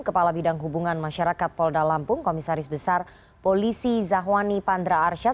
kepala bidang hubungan masyarakat polda lampung komisaris besar polisi zahwani pandra arsyad